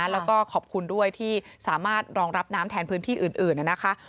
แล้วก็ขอบคุณด้วยที่สามารถรองรับน้ำแทนพื้นที่อื่นนะคะ